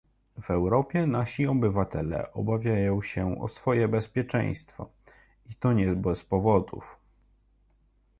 W Europie nasi obywatele obawiają się o swoje bezpieczeństwo, i to nie bez powodów